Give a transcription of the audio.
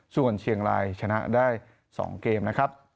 ส่วนเชียงรายชนะได้๒เกมนะครับ